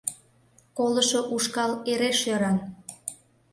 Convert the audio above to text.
— Колышо ушкал эре шӧран.